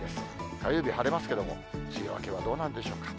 火曜日晴れますけれども、梅雨明けはどうなんでしょうか。